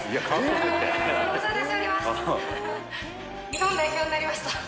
日本代表になりました。